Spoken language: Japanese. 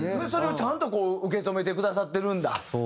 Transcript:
それをちゃんとこう受け止めてくださってるんだ。